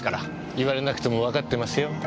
言われなくてもわかってますよ。